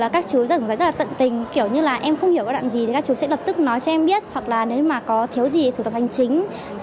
các chú sẽ lập tức nói cho em biết hoặc nếu có thiếu gì thì thủ tập hành chính